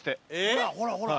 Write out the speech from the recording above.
ほらほらほら。